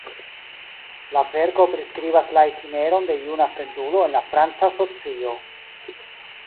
La verko priskribas la itineron de juna fremdulo en la franca socio.